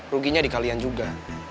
ruginya di kalian juga